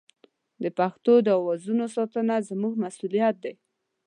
د پښتو د اوازونو ساتنه زموږ مسوولیت دی.